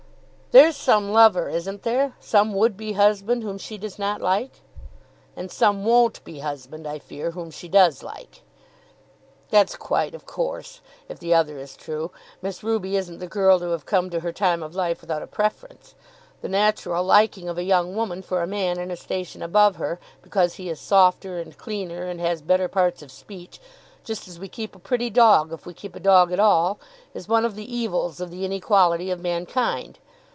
"There's some lover, isn't there; some would be husband whom she does not like?" "And some won't be husband, I fear, whom she does like." "That's quite of course, if the other is true. Miss Ruby isn't the girl to have come to her time of life without a preference. The natural liking of a young woman for a man in a station above her, because he is softer and cleaner and has better parts of speech, just as we keep a pretty dog if we keep a dog at all, is one of the evils of the inequality of mankind.